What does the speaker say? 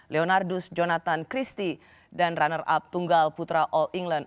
leonardus jonathan christie dan runner up tunggal putra all england